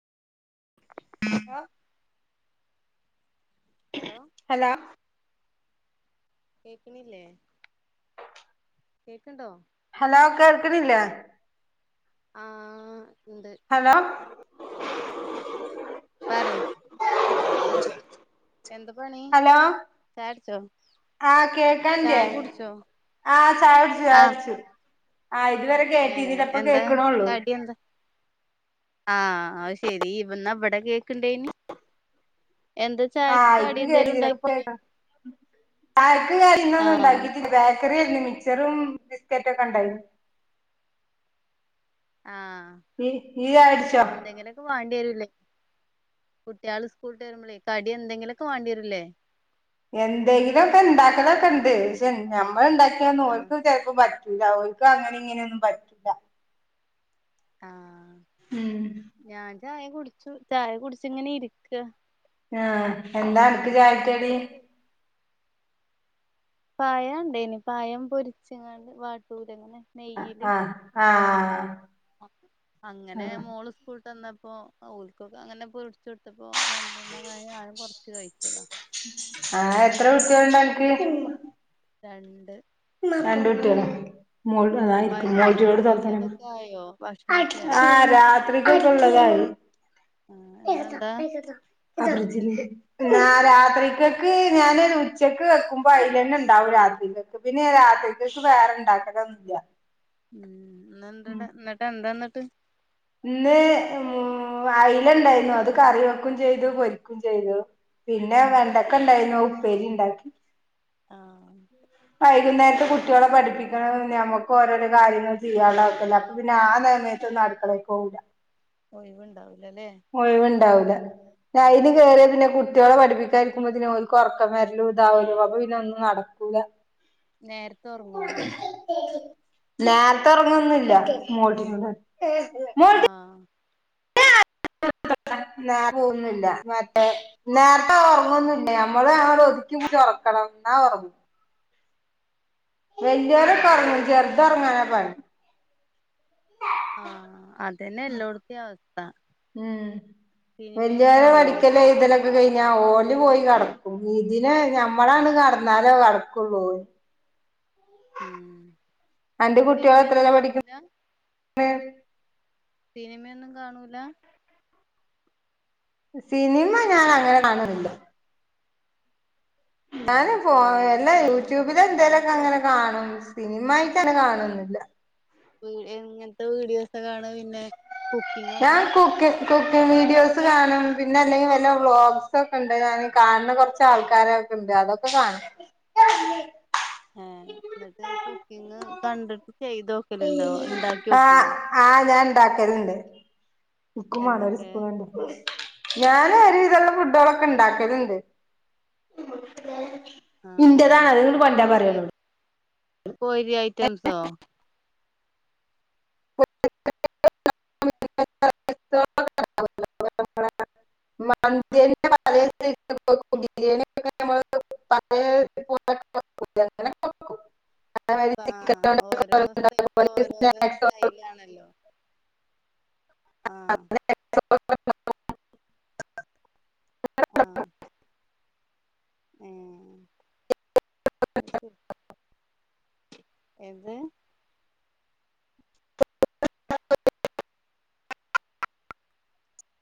Hello hello കേൾക്കണില്ലേ കേൾക്കുണ്ടോ? Hello കേൾക്കണില്ലേ? ആഹ് ഹലോ പറ [inaudible] എന്താ പണി ഹലോ ചായ കുടിച്ചോ? ആഹ് കേൾക്കാന്റെ ആഹ് ചായ കുടിച്ചു ചായ ആഹ് കുടിച്ചു. ആഹ് ഇതുവരെ ഏഹ് കേട്ടിന്നില്ല ഇപ്പോ എന്താ കേക്കണള്ളൂ. കടി എന്താ ആഹ് അത് ശരി ഇന്ന ഇവിടെ കേക്കണ്ടായിന്. ആഹ് അക്ക് [unintelligible] ആക്ക് കാര്യങ്ങളൊന്നും ആഹ് ഉണ്ടാക്കിട്ടില്ല ബേ ക്കറിരുന്നു മിക്സറും ബിസ്കറ്റൊക്കെ ഉണ്ടായിനി. ആഹ് ചായുടിച്ചോ എന്തെങ്കിലൊക്കെ വേണ്ടി വരില്ലേ കുട്ടികൾ സ്കൂൾ വിട്ട് വരുമ്പോളേ കടി എന്തെങ്കിലുംഒക്കെ വേണ്ടിവരില്ലേ? എന്തെങ്കിലും ഒക്കെ ഇണ്ടാക്കലൊക്കെ ഉണ്ട് പക്ഷെ നമ്മൾ ഉണ്ടാക്കിയന്ന ആഹ് ഓർക്ക് ചിലപ്പോ പ റ്റില്ല ഓൽക് അങ്ങനിം ഇങ്ങനീം ഒന്നും പറ്റൂല. ആഹ് ഉം. ഞാൻ ചായ കുടിച്ചു ചായ കുടച്ച് ഇങ്ങനെ ഇരിക്ക. ആഹ് എന്താ അനക്ക് കുറച്ച് ചായക്കടി? പയണ്ടേനി പയം പൊരിച്ച്ങ്ങാണ്ട് വാട്ടൂലെങ്ങനെ. ആ ആ അങ്ങനെ മോള് സ്കൂള്ട്ടന്നപ്പോ ഓൽ കൊക്കെ അങ്ങനെ പൊരിച്ചു ഒടുത്തപ്പോ രണ്ടെണ്ണം അങ്ങനെ ഞാനും ഞാനും കൊറച്ച് കഴിച്ചതാ. ആഹ് എത്ര കൂട്ട്യോള്ണ്ടനക്ക്? രണ്ട്. രണ്ട് കുട്ട്യോളാ? വൈകുന്നേരത്തിന് ഇല്ലതൊക്കെ ആയോ ഭക്ഷണൊക്കെ [unintelligible] ആ ആയോ രാത്രികൊക്കള്ളതായി. ആ [unintelligible] ഇന്നെന്താ ആ രാത്രിക്കക്ക് ഞാന് ഒര് ഉച്ചക്ക് വെക്കുമ്പോ അതിലെന്നെ ഉണ്ടാവും രാത്രിക്ക പിന്നെ രാത്രിക്കക്ക് വേറെ ഇണ്ടാക്കലൊന്നുല്ല. ഉം നെന്തടാ ഇന്ന്ട്ടെന്താന്ന്ട്ട്‌? ഇന്ന് അയില ഉം ഉണ്ടായിരുന്നു അത് കറി വെക്കും ചെയ്തു പൊരിക്കും ചെയ്തു. പിന്നെ ആ വെണ്ടക്ക ഉണ്ടായിന്നു ഉപ്പേരി ഉണ്ടാക്കി. ആ വൈ കുന്നേരത്ത് കുട്ടോളെ പഠിപ്പിക്കണ നമക്ക് ഓരോരോ കാര്യങ്ങൾ ചെയ്യാള്ള അപ്പൊ പിന്നെ ആ നമയതൊന്നുംഅടുക്കളെക് പോവൂല. ഒഴിവ് ഉണ്ടാവു ഒഴിവുണ്ടാവൂല ഞ ആ ഐന് കേറിയാ പിന്നെ കു [unintelligible] കുട്ട്യോളെ പഠിപ്പിക്കായിരിക്കുമ്പത്തിന് ഓൽക്ക് ഉറക്കം വരലും ഇതാ വലും അപ്പ പിന്നൊന്നുംക്കൂല നേരത്തെ ഉറങ്ങോ? നേരത്തെ ഒർങ്ങൊന്നില്ല [unintelligible] ആഹ [unintelligible] നേ പോകൊന്നില്ല മറ്റേ നേരത്തെ ആ ഉറങ്ങൊന്നില്ല നമ്മള്. ഒതുക്കി പുട്‌ച്ച് ഉറക്കണം ന്നാ ഒർങ്ങും. ആ വെല്യോലൊക്കെ ഒർങ്ങും ചെർത് ഉറങ്ങാനാ പണി. ആഹ അതന്നെ എല്ലോടത്തി അവസ്ഥ. ഉം സിനിമയൊക്കെ വല്യോലെ കാണുവോ പഠിക്കലും എയ്ത ലൊ കൈഞ്ഞ ഓല് പോയി കടക്കും ഇതിനെ ഞമ്മളാണ് കെടന്നാലേ കെടകൊള്ളൂ. ഉം അന്റെ കുട്ടികൾ സിന്മയൊന്നും എത്രയിലാ പഠിക്കു കാണൂല. [unintelligible] സിനിമയൊന്നും കാണൂല. സിനിമ ഞാൻ അങ്ങനെ കാണറില്ല ഏഹ് ഞാന് ഫോ സീരിയല് എല്ലാ സിനിമ യൂട്യൂബിലെ പാട്ട് ന്തേലൊക്കെ അങ്ങനത്തെ കങ്ങനെ പരിപാടി കാണും. സിൻമ ആയിട്ട് അങ്ങനെ കാണൊന്നുല്ല. ഉം എങ്ങൻ ത്തെ വീഡിയോസാ കാണ പിന്നെ കുക്കിങ്‌ ഞാൻ ഒക്കെ കുക്കി കുക്കിംഗ് വീഡിയോസ് കാണും പിന്നെ അല്ലെങ്കി വല്ല വ്ളോഗ്സൊക്കെ ഉണ്ട് ഞാൻ കാണ് ണ കൊർചാൾക്കാരെ ണ്ട് അതൊക്കെ കാണും. ഹ എന്നിട്ട് കുക്കിങ് കണ്ടി [unintelligible] ആഹആ ഞാൻ ഇണ്ടാക്കല്ണ്ട് ഇക്കും എന്തൊക്കെ വേണോരുസ്പൂണ് ണ്ട് ഞാന് ഒര് വിദള്ള ഫുടോളൊക്കെ ഇണ്ടാക്കല്ണ്ട് ആഹ് ന്റേതാണ് അതിങ്ങട് കൊണ്ടരാൻ പറയോളോട് പോരി ഐറ്റംസോ [unintelligible] മ [unintelligible] [inaudible] ചിക്കൻ ആഹ ഓരോ കൊണ്ടൊക്കെ സ്ഥലത്ത് ഉണ്ടാക്കും ഓരോരോ സ്റ്റൈലാണല്ലോ ആഹ് [unintelligible] ആഹ ആഹ [unintelligible] എന്ത്